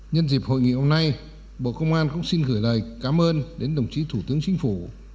nhân dịp hội nghị hôm nay bộ công an cũng xin gửi lời cảm ơn đến đồng chí thủ tướng chính phủ